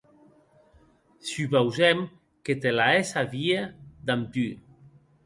Supausem que te la hès a vier damb tu.